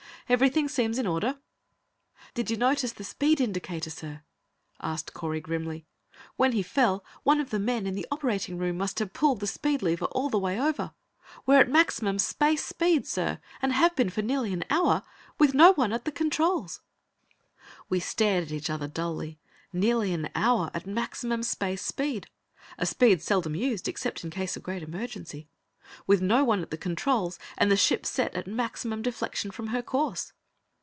"Everything seems in order." "Did you notice the speed indicator, sir?" asked Correy grimly. "When he fell, one of the men in the operating room must have pulled the speed lever all the way over. We're at maximum space speed, sir, and have been for nearly an hour, with no one at the controls." We stared at each other dully. Nearly an hour, at maximum space speed a speed seldom used except in case of great emergency. With no one at the controls, and the ship set at maximum deflection from her course.